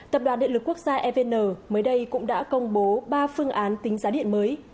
tập đoàn điện lực quốc gia evn mới đây cũng đã công bố ba phương án tính giá điện mới